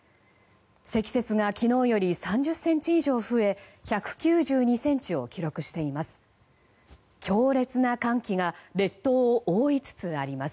積雪が昨日より３０ｃｍ以上増え１９２ｃｍを記録しています。